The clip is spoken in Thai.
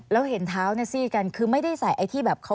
แล้วเห็นทาวซีดกันคือไม่ได้ใส่ไอ้ที่แบบ